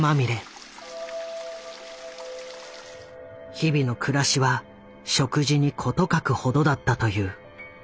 日々の暮らしは食事に事欠くほどだったという。